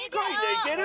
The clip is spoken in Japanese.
いける？